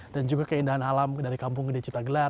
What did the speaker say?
dan juga keindahan alam dari kampung gede cipta gelar